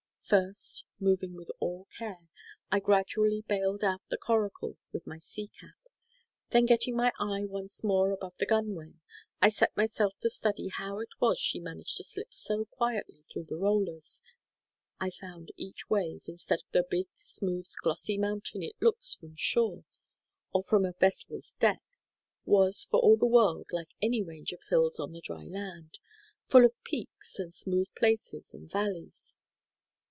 First, moving with all care, I gradually baled out the coracle with my sea cap; then getting my eye once more above the gunwale, I set myself to study how it was she managed to slip so quietly through the rollers. I found each wave, instead of the big, smooth, glossy mountain it looks from shore, or from a vessel's deck, was for all the world like any range of hills on the dry land, full of peaks and smooth places and valleys.